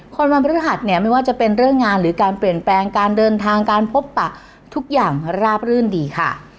วันพฤหัสเนี่ยไม่ว่าจะเป็นเรื่องงานหรือการเปลี่ยนแปลงการเดินทางการพบปะทุกอย่างราบรื่นดีค่ะ